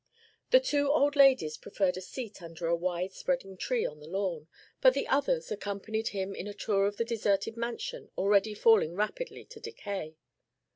The two old ladies preferred a seat under a wide spreading tree on the lawn; but the others accompanied him in a tour of the deserted mansion already falling rapidly to decay.